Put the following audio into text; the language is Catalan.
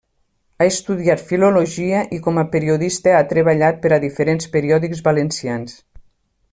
Ha estudiat Filologia i com a periodista ha treballat per a diferents periòdics valencians.